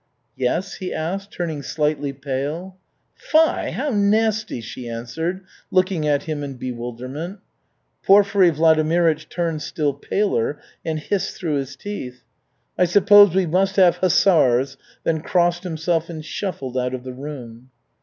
'" "Yes?" he asked turning slightly pale. "Fi, how nasty!" she answered, looking at him in bewilderment. Porfiry Vladimirych turned still paler and hissed through his teeth: "I suppose, we must have hussars!" then crossed himself and shuffled out of the room.